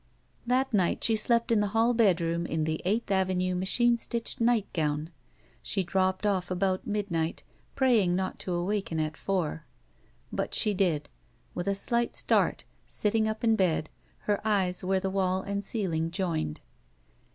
That night she slept in the hall bedroom in the Eighth Avenue, machine stitched nightgown. She dropped off about midnight, praying not to awaken at four. But she did — ^with a slight start, sitting up in bed, her eyes where the wall and ceiling joined.